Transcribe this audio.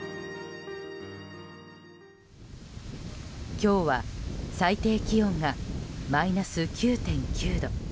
今日は最低気温がマイナス９．９度。